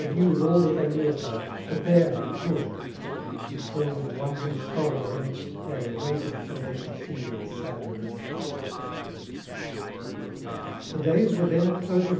iew0d AU that thejr knew of ber^ the fair and ^ood) And so with wondering sorrow the next day Waited till, they should see that sad array* The days were the» at close of.